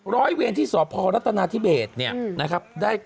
ร้อยเวรที่สพรัฐนาธิเบสเนี่ยนะครับ